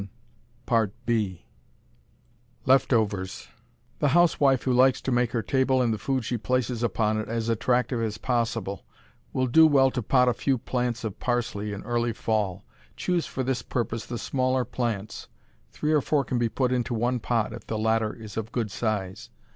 The housewife who likes to make her table and the food she places upon it as attractive as possible, will do well to pot a few plants of parsley in early fall. Choose for this purpose the smaller plants. Three or four can be put into one pot if the latter is of good size.